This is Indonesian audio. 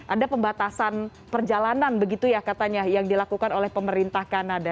ada pembatasan perjalanan begitu ya katanya yang dilakukan oleh pemerintah kanada